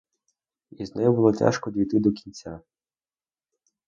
І з нею було тяжко дійти до кінця.